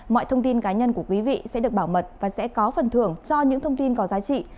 mọi thông tin cá nhân của quý vị sẽ được bảo mật và sẽ có phần thưởng cho những thông tin có giá trị